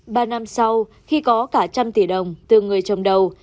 ba năm sau khi có cả trăm tỷ đồng từ người trồng đầu